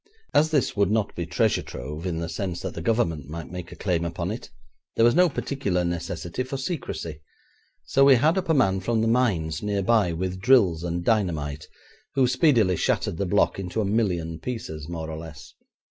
As this would not be treasure trove in the sense that the Government might make a claim upon it, there was no particular necessity for secrecy, so we had up a man from the mines near by with drills and dynamite, who speedily shattered the block into a million pieces, more or less.